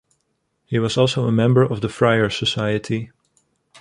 He was also a member of the Friar Society.